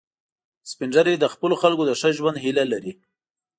سپین ږیری د خپلو خلکو د ښه ژوند هیله لري